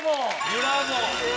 ブラボー。